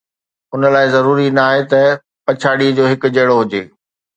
ان لاءِ ضروري ناهي ته پڇاڙيءَ جو هڪجهڙو هجي